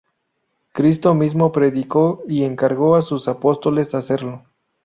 Cristo mismo predicó y encargó a sus apóstoles hacerlo.